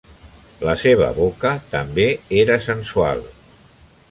La seva boca, també, era sensual.